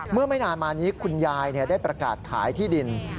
ไม่นานมานี้คุณยายได้ประกาศขายที่ดิน